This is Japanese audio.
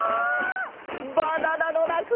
バナナのらくえんだ！